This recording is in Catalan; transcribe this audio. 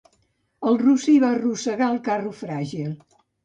El rossí va arrossegar el carro fràgil.